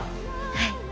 はい。